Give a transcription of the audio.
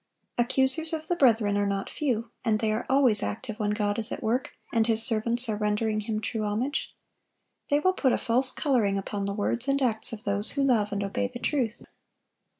Accusers of the brethren are not few; and they are always active when God is at work, and His servants are rendering Him true homage. They will put a false coloring upon the words and acts of those who love and obey the truth.